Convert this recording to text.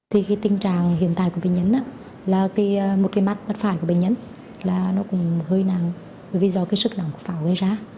thì cái tình trạng hiện tại của bệnh nhân là một cái mắt mặt phải của bệnh nhân là nó cũng hơi nặng bởi vì do cái sức lòng của pháo gây ra